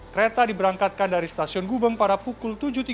kereta diberangkatkan dari stasiun gubeng pada pukul tujuh